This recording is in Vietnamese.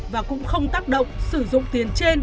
và cũng không tác động sử dụng tiền trên